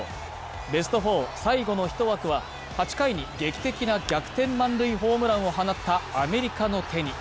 ベスト４、最後の１枠は８回に劇的な逆転満塁ホームランを放ったアメリカの手に。